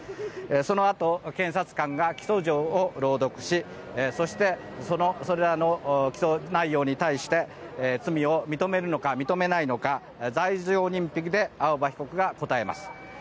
そのあと検察官が起訴状を朗読しそしてそれらの起訴内容に対して罪を認めるのか、認めないのか罪状認否で青葉被告が答えます。